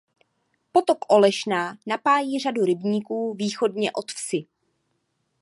Potok Olešná napájí řadu rybníků východně od vsi.